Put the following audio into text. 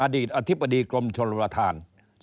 อดีตอธิบดีกรมชนประธาน